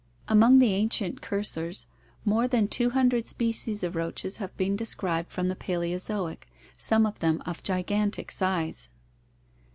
Among the ancient cursores more than two hundred species of roaches have been described from the Paleozoic, some of them of gigantic size.